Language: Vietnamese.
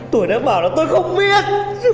tôi đã bảo là tôi không biết